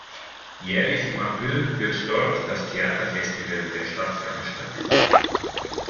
Jährlich im April wird dort das Theaterfestival der Stadt veranstaltet.